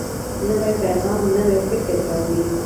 نوی پیغام نوی فکر راوړي